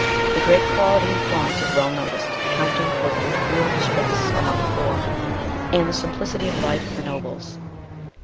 The great equality in Florence is well noticed, accounting for the little real distress among the poor, and the simplicity of life of the nobles.